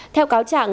theo cáo trạng